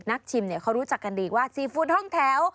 นักชิมเขารู้จักกันดีว่าซีฟู้ดห้องแถว